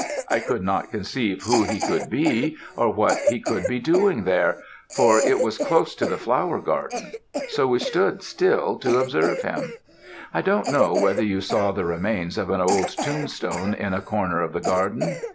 I could not conceive who he could be, or what he could be doing there, for it was close to the flower garden; so we stood still to observe him. I don't know whether you saw the remains of an old tombstone in a corner of the garden?